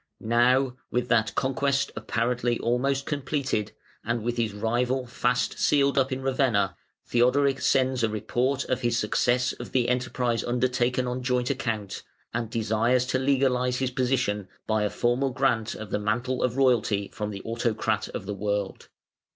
Now, with that conquest apparently almost completed, and with his rival fast sealed up in Ravenna, Theodoric sends a report of his success of the enterprise undertaken "on joint account", and desires to legalise his position by a formal grant of the mantle of royalty from the Autocrat of the World.